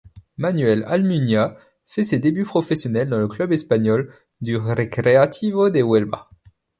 Manuel Almunia fait ses débuts professionnels dans le club espagnol du Recreativo de Huelva.